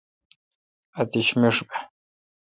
اتش مݭ بہ۔